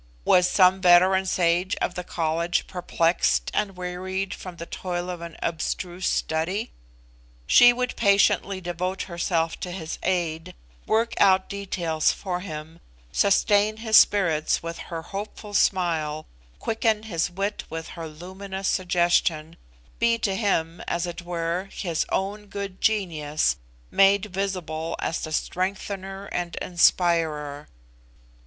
Was some veteran sage of the College perplexed and wearied with the toil of an abstruse study? she would patiently devote herself to his aid, work out details for him, sustain his spirits with her hopeful smile, quicken his wit with her luminous suggestion, be to him, as it were, his own good genius made visible as the strengthener and inspirer.